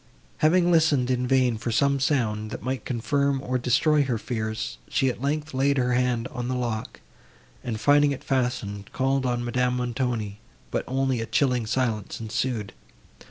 Having listened, in vain, for some sound, that might confirm, or destroy her fears, she, at length, laid her hand on the lock, and, finding it fastened, called on Madame Montoni; but only a chilling silence ensued.